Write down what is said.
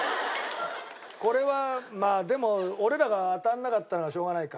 これはまあでも俺らが当たらなかったのはしょうがないか。